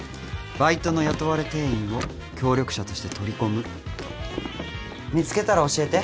バイトの雇われ店員を協力者として取り込むと見つけたら教えて。